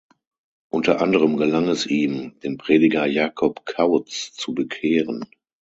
Unter anderem gelang es ihm, den Prediger Jakob Kautz zu bekehren.